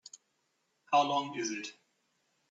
How long is it?